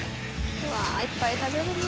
うわあいっぱい食べるね。